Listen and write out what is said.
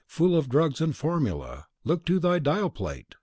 Fool of drugs and formula, look to thy dial plate!